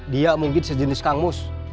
dia mungkin sejenis kangmus